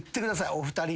お二人で。